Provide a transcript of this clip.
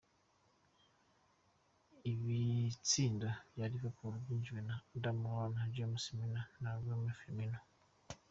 Ibitsindo vya Liverpool vyinjijwe na Adam Lallana, James Milner na Roerto Firmino.